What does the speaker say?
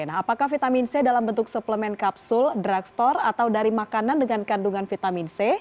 nah apakah vitamin c dalam bentuk suplemen kapsul drugstore atau dari makanan dengan kandungan vitamin c